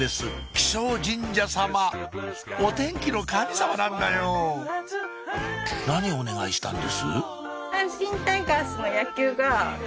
気象神社様お天気の神様なんだよ何お願いしたんです？